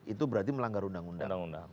itu berarti melanggar undang undang